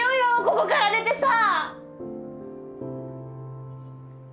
ここから出てさ！